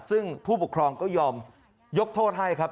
ซึ่งผู้ปกครองก็ยอมยกโทษให้ครับ